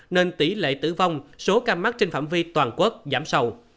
nên tỷ lệ tử vong số ca mắc trên phạm vi toàn quốc giảm sâu